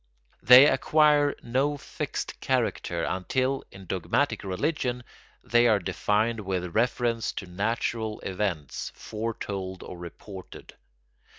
They acquire no fixed character until, in dogmatic religion, they are defined with reference to natural events, foretold or reported.